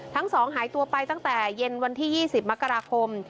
ทั้งสองหายตัวไปตั้งแต่เย็นวันที่๒๐มกราคม